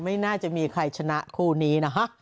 ไม่น่าจะมีใครชนะคู่นี้นะฮะ